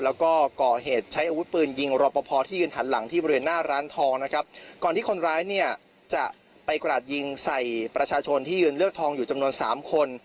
แล้วก็ก่อเหตุใช้อาวุธปืนยิงรอปภที่ยืนหันหลังที่บริเวณหน้าร้านทองนะครับก่อนที่คนร้ายเนี่ยจะไปกราดยิงใส่ประชาชนที่ยืนเลือกทองอยู่จำนวนสามคน